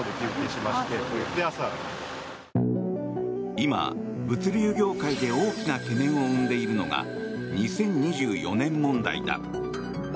今、物流業界で大きな懸念を生んでいるのが２０２４年問題だ。